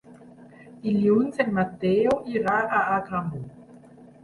Dilluns en Mateu irà a Agramunt.